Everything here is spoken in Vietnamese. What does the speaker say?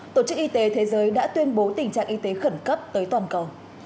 tổ chức y tế thế giới đã tuyên bố tình trạng y tế khẩn cấp tới toàn cầu